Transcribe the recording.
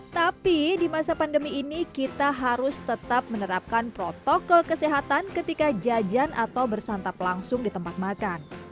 tapi di masa pandemi ini kita harus tetap menerapkan protokol kesehatan ketika jajan atau bersantap langsung di tempat makan